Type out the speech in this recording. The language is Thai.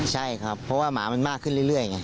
ใช่ครับเพราะว่าหมามันมากขึ้นเรื่อยไง